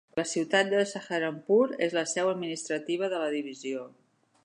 La ciutat de Saharanpur és la seu administrativa de la divisió.